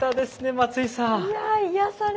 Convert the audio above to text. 松井さん。